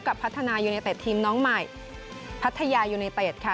พัฒนายูเนเต็ดทีมน้องใหม่พัทยายูเนเต็ดค่ะ